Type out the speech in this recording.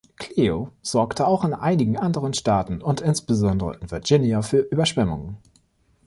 Cleo sorgte auch in einigen anderen Staaten und insbesondere in Virginia für Überschwemmungen.